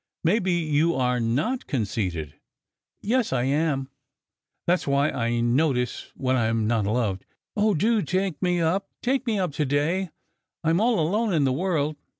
Maybe you are not conceited!" "Yes, I am! That s why I notice when I m not loved. Oh, do take me up. Take me up to day! I m all alone in the world.